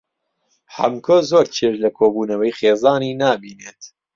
حەمکۆ زۆر چێژ لە کۆبوونەوەی خێزانی نابینێت.